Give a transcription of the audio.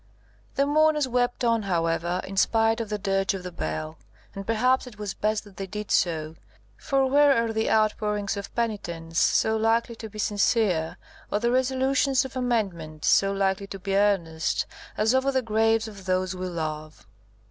The mourners wept on, however, in spite of the dirge of the bell; and perhaps it was best that they did so, for where are the outpourings of penitence so likely to be sincere, or the resolutions of amendment so likely to be earnest, as over the graves of those we love?